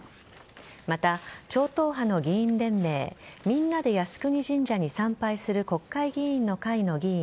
また、超党派の議員連盟みんなで靖国神社に参拝する国会議員の会の議員